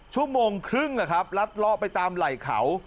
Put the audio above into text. ชั่วโมงครึ่งรัดเลาะไปตามไหล่เขา